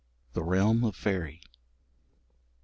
THE REALM OF FAERIE.